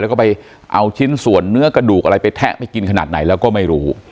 แล้วก็ไปเอาชิ้นส่วนเนื้อกระดูกอะไรไปแทะไปกินขนาดไหนแล้วก็ไม่รู้